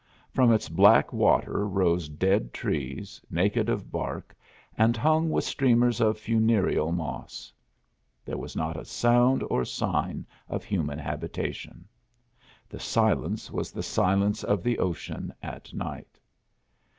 From its black water rose dead trees, naked of bark and hung with streamers of funereal moss. There was not a sound or sign of human habitation. The silence was the silence of the ocean at night.